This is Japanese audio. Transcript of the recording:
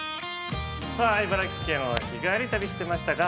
◆茨城県は日帰り旅してましたが。